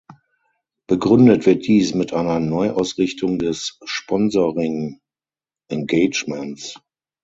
Begründet wird dies mit einer Neuausrichtung des Sponsoring-Engagements.